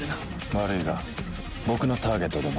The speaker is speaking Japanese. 悪いが僕のターゲットでも。